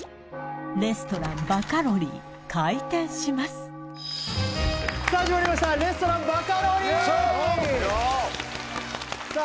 レストラン・バカロリー開店しますさあ始まりましたレストラン・バカロリーさあ